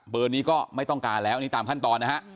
นี้ก็ไม่ต้องการแล้วนี่ตามขั้นตอนนะฮะ